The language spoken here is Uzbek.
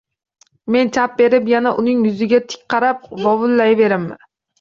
Men chap berib yana uning yuziga tik qarab vovullayverdim